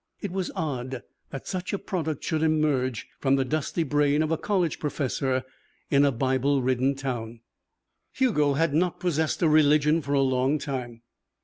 It was odd that such a product should emerge from the dusty brain of a college professor in a Bible ridden town. Hugo had not possessed a religion for a long time.